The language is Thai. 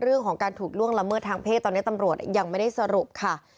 เรื่องของการถูกล่วงละเมิดทางเพศตอนนี้ตำรวจยังไม่ได้สรุปค่ะ